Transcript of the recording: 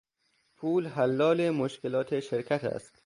پول حلال مشکلات شرکت است.